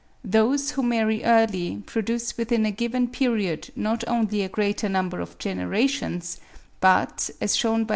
Those who marry early produce within a given period not only a greater number of generations, but, as shewn by Dr. Duncan (20.